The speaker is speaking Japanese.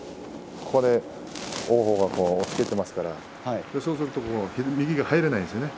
王鵬が押っつけていますからそうすると右が入れないんですね。